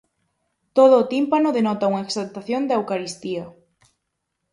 Todo o tímpano denota unha exaltación da Eucaristía.